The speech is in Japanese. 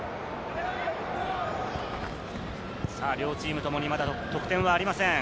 両チームともに、まだ得点はありません。